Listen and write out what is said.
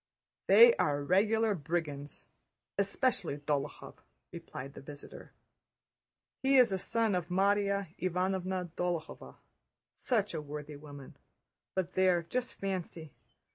"They are regular brigands, especially Dólokhov," replied the visitor. "He is a son of Márya Ivánovna Dólokhova, such a worthy woman, but there, just fancy!